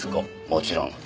もちろん。